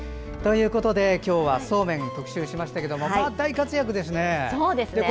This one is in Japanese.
今日はそうめんを特集しましたが大活躍でしたね。